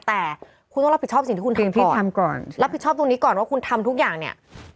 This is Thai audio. แต่คุณต้องรับผิดชอบสิ่งที่คุณทำพี่ทำก่อนรับผิดชอบตรงนี้ก่อนว่าคุณทำทุกอย่างเนี่ย